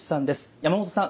山本さん